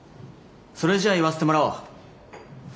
それじゃあ言わせてもらおう。